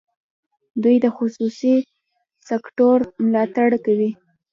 دوی د خصوصي سکټور ملاتړ کوي.